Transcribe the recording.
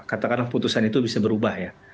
katakanlah putusan itu bisa berubah ya